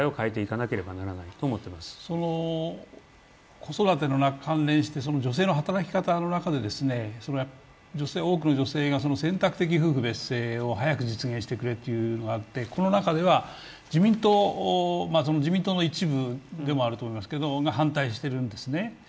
子育ての関連して、女性の働き方の中で多くの女性が選択的夫婦別姓を早く実現してくれというのがあって、この中では自民党の一部でもあると思いますけれども、反対しているんですね。